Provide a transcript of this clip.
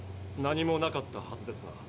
何もなかったはずですが。